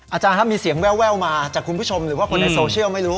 อาจารย์ครับมีเสียงแววมาจากคุณผู้ชมหรือว่าคนในโซเชียลไม่รู้